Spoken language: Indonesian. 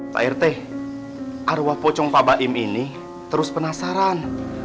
pak rt arwah pocong pak baim ini terus penasaran